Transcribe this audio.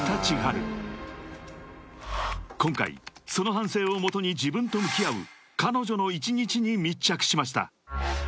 ［今回その反省をもとに自分と向き合う彼女の一日に密着しました］